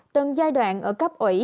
từng giai đoạn ở cấp ủy